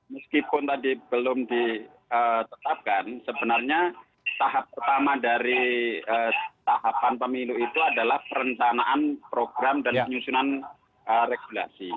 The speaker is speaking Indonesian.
meskipun tadi belum ditetapkan sebenarnya tahap pertama dari tahapan pemilu itu adalah perencanaan program dan penyusunan regulasi